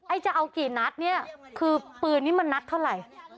จะเอากี่นัดเนี่ยคือปืนนี้มันนัดเท่าไหร่